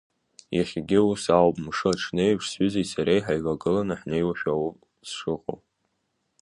Иахьагьы ус ауп, мшы аҽны еиԥш сҩызеи сареи ҳаивагыланы ҳнеиуашәа ауп сшыҟоу.